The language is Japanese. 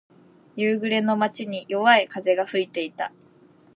夕暮れの街に、弱い風が吹いていた。